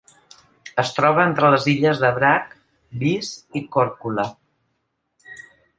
Es troba entre les illes de Brač, Vis i Korčula.